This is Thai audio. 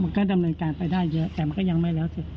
ดำเนินการไปได้เยอะแต่มันก็ยังไม่แล้วเสร็จ